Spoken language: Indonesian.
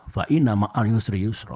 fainama'al yusri yusro